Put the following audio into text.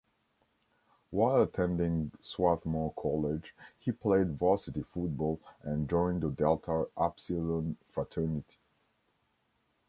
While attending Swarthmore College he played varsity football and joined the Delta Upsilon Fraternity.